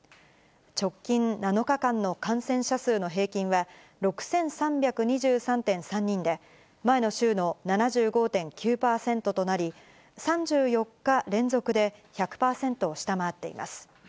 直近７日間の感染者数の平均は６３２３．３人で、前の週の７５．９％となり、３４日連続で１００％を下回っています。